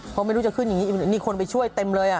เพราะไม่รู้จะขึ้นอย่างนี้นี่คนไปช่วยเต็มเลย